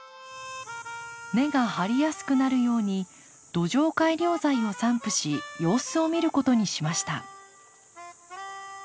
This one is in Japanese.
根が張りやすくなるように土壌改良材を散布し様子を見ることにしました。